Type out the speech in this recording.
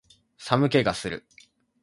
寒気がする